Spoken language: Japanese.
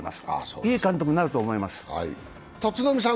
いい監督になると思います。